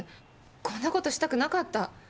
こんな事したくなかった。